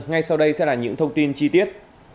ngay sau đây sẽ là những thông tin chi tiết